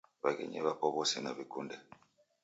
W'aghenyi w'apo w'ose naw'ikunde